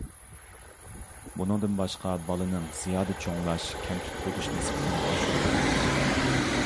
بۇنىڭدىن باشقا بالىنىڭ زىيادە چوڭلاش، كەمتۈك بولۇش نىسبىتىنى ئاشۇرۇۋېتىدۇ.